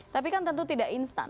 tapi kan tentu tidak instan